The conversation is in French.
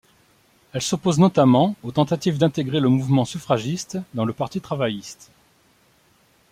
Elle s'oppose notamment aux tentatives d'intégrer le mouvement suffragiste dans le parti travailliste.